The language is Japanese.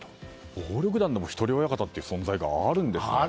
暴力団でもひとり親方という存在があるんですね。